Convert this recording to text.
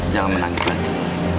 jangan menangis lagi